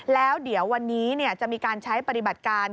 แล้วเดี๋ยววันนี้จะมีการใช้ปฏิบัติการ